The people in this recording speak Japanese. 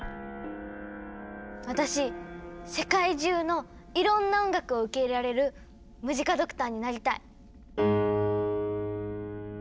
私世界中のいろんな音楽を受け入れられるムジカドクターになりたい。